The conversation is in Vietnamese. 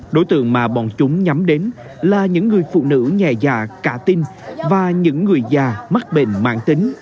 đối tượng mà bọn chúng nhắm đến là những người phụ nữ nhẹ dạ cả tin và những người già mắc bệnh mạng tính